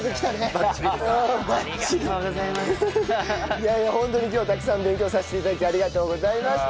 いやいやホントに今日たくさん勉強させて頂きありがとうございました。